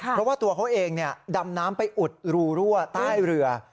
เพราะว่าตัวเขาเองดำน้ำไปอุดรูรั่วใต้เรือ